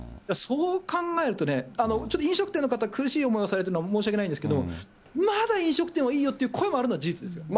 そう考えるとね、ちょっと飲食店の方、苦しい思いされてるの申し訳ないんですけれども、まだ飲食店はいいよっていう声があるのも事実です。